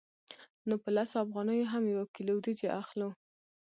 نو په لسو افغانیو هم یوه کیلو وریجې اخلو